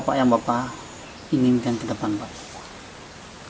apa yang bapak inginkan ke depan pak